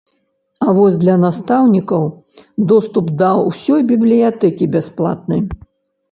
А вось для настаўнікаў доступ да ўсёй бібліятэкі бясплатны.